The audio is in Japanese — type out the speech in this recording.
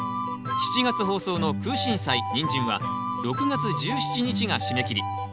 ７月放送のクウシンサイニンジンは６月１７日が締め切り。